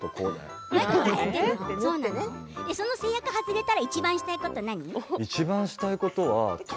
その制約が外れたらいちばんしたいことは何？